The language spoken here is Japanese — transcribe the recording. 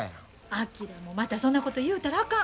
昭またそんなこと言うたらあかん。